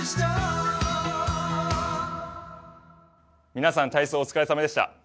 皆さん、体操お疲れさまでした。